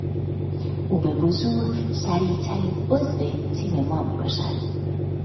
او به وضوح سریعترین عضو تیم ما میباشد.